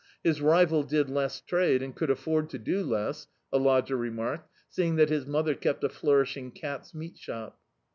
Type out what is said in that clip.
His rival did less trade, and could afford to do less, a lodger remarked, seeing that his mother kept a flourishing cats* meat shop.